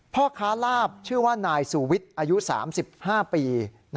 พ่อค้าลาบชื่อว่านายสูวิทย์อายุ๓๕ปี